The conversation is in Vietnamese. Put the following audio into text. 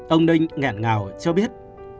ông ninh ngẹn ngào cho biết